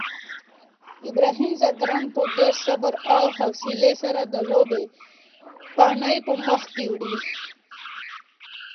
ابراهیم ځدراڼ په ډېر صبر او حوصلې سره د لوبې پاڼۍ مخکې وړي.